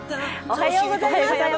おはようございます。